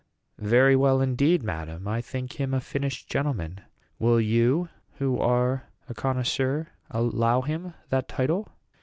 "Very well indeed, madam; I think him a finished gentleman. Will you, who are a connoisseur, allow him that title?"